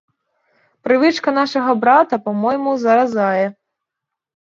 Прывычка нашага брата, па-мойму, заразае.